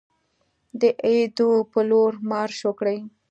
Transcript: د ایدو په لور مارش وکړي.